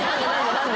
何で？